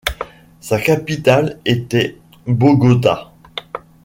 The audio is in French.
Sa capitale était Bogota.